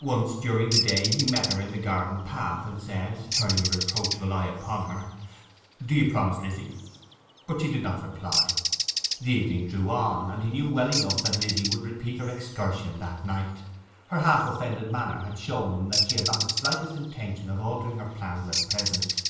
Once during the day he met her in the garden path, and said, turning a reproachful eye upon her, 'Do you promise, Lizzy?' But she did not reply. The evening drew on, and he knew well enough that Lizzy would repeat her excursion at night—her half offended manner had shown that she had not the slightest intention of altering her plans at present.